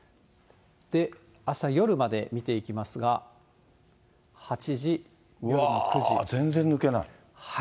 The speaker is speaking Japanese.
あしたの夜まで見ていきますが、８時、全然抜けない。